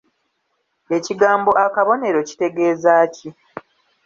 Ekigambo akabonero kkitegeeza ki?